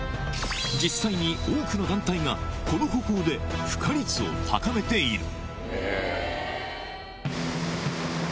実際に多くの団体が、この方法でふ化率を高めている。